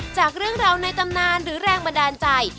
จากเรื่องราวในตำนานหรือแรงบันดาลใจ